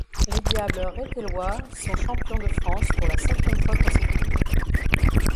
Les Diables rethelois sont champions de France pour la cinquième fois consécutive.